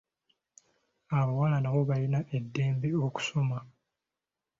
Abawala nabo balina eddembe okusoma.